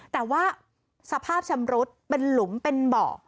แต่ว่าสภาพชำรุดเป็นหลุมเป็นเบาะ